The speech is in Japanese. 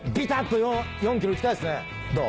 どう？